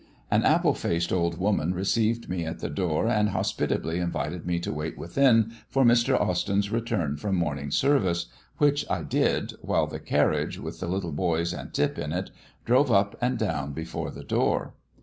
An apple faced old woman received me at the door, and hospitably invited me to wait within for Mr. Austyn's return from morning service, which I did, while the carriage, with the little boys and Tip in it, drove up and down before the door.